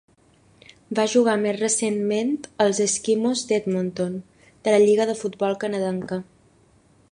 Va jugar més recentment als Eskimos d'Edmonton, de la lliga de futbol canadenca.